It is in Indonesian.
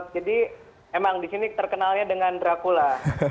jadi emang di sini terkenalnya dengan dracula